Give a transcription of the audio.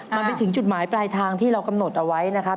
มันไปถึงจุดหมายปลายทางที่เรากำหนดเอาไว้นะครับ